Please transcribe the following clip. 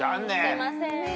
すいません。